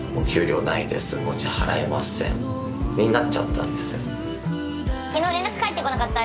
なっちゃったんです。